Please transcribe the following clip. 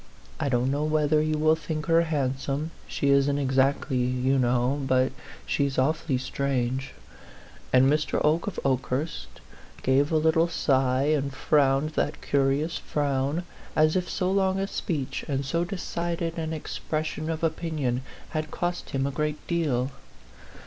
I don't know whether you will think her handsome she isn't ex actly, you kno\v. But she's awfully strange," and Mr. Oke of Okehurst gave a little sigh and frowned that curious frown, as if so long a speech and so decided an expression of opinion had cost him a great deal.